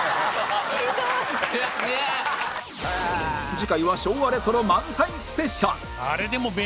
次回は昭和レトロ満載スペシャル